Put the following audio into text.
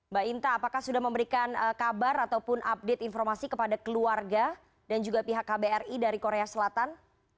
mbak inta apakah sudah memberikan kabar ataupun update informasi kepada keluarga dan juga pihak kbri dari korea selatan